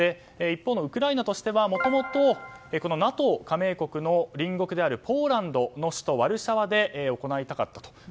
一方のウクライナとしてはもともとＮＡＴＯ加盟国の隣国であるポーランドの首都ワルシャワで行いたかったと。